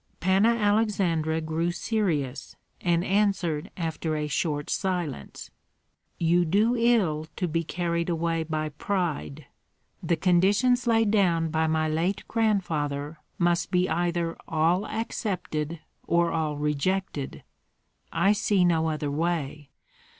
Panna Aleksandra grew serious, and answered after a short silence: "You do ill to be carried away by pride. The conditions laid down by my late grandfather must be either all accepted or all rejected. I see no other way.